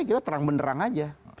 kita terang benerang aja